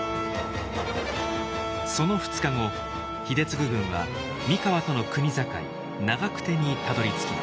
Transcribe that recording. その２日後秀次軍は三河との国境長久手にたどりつきます。